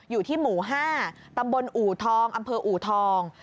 อยู่ที่หมู่๕ตำบลอู่ทองอำเภออูทอง